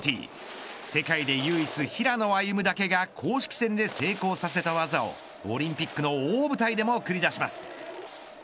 世界で唯一、平野歩夢だけが公式戦で成功させた技をオリンピックの大舞台でも繰り出します。